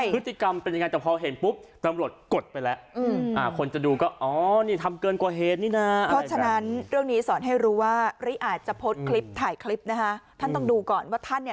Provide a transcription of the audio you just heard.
พฤติกรรมเป็นยังไงแต่พอเห็นพรุ่ง